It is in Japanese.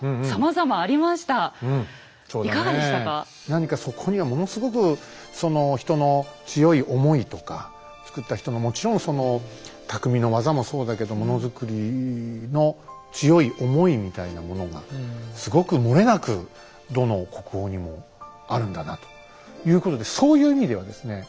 何かそこにはものすごくその人の強い思いとか作った人のもちろんそのたくみの技もそうだけどもの作りの強い思いみたいなものがすごく漏れなくどの国宝にもあるんだなということでそういう意味ではですね